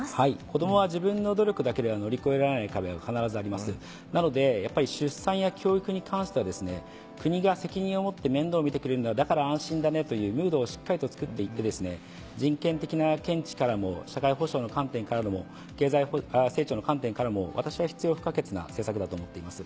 子供は自分の努力だけでは乗り越えられない壁が必ずありますなのでやっぱり出産や教育に関してはですね国が責任を持って面倒を見てくれるんだだから安心だねというムードをしっかりとつくって行って人権的な見地からも社会保障の観点からでも経済成長の観点からも私は必要不可欠な政策だと思っています。